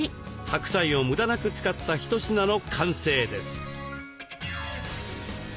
白菜を無駄なく使った一品の完成です。